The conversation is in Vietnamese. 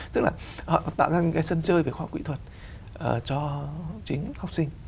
tức là họ tạo ra những cái sân chơi về khoa học quỹ thuật cho chính học sinh